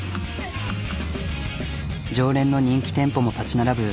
常連の人気店舗も立ち並ぶ